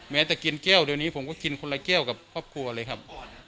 จะกินแก้วเดี๋ยวนี้ผมก็กินคนละแก้วกับครอบครัวเลยครับ